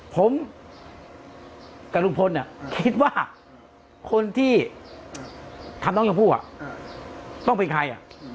ผมกับลุงพลคิดว่าคนที่ทำน้องชมพู่ต้องเป็นใคร